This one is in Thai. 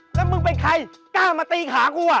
แล้วมึงเป็นใครกล้ามาตีขากูอ่ะ